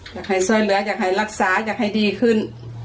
อยากให้ช่วยเหลืออยากให้รักษาอยากให้ดีขึ้น